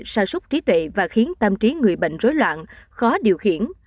sàn súc trí tuệ và khiến tâm trí người bệnh rối loạn khó điều khiển